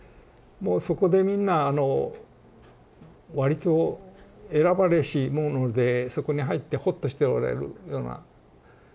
もうそこでみんなあの割と選ばれし者でそこに入ってほっとしておられるような。